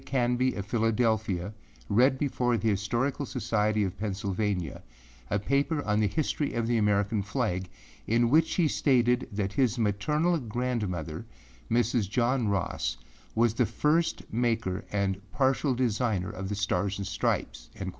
Canby of Philadelphia, read before the Historical Society of Pennsylvania, a paper on the history of the American flag, in which he stated that his maternal grandmother, Mrs. John Ross, was the first maker and partial designer of the Stars and Stripes.